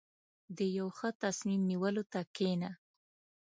• د یو ښه تصمیم نیولو ته کښېنه.